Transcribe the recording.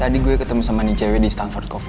tadi gue ketemu sama nih cewe di stanford coffee